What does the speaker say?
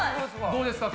どうですか？